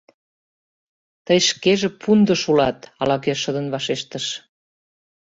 — Тый шкеже пундыш улат! — ала-кӧ шыдын вашештыш.